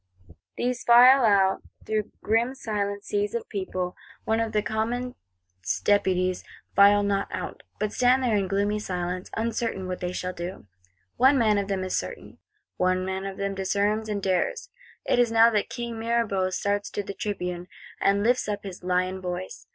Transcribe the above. These file out; through grim silent seas of people. Only the Commons Deputies file not out; but stand there in gloomy silence, uncertain what they shall do. One man of them is certain; one man of them discerns and dares! It is now that King Mirabeau starts to the Tribune, and lifts up his lion voice.